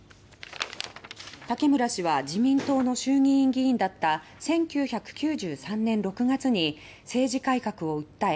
武村氏は自民党の衆議院議員だった１９９３年６月に政治改革を訴え